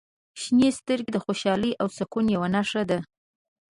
• شنې سترګې د خوشحالۍ او سکون یوه نښه دي.